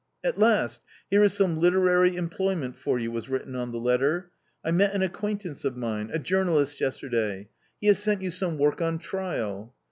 " At last here is some literary employment for you," was written on the letter. "I met an acquaintance of mine, a journalist yesterday; he has sent you some work on trial."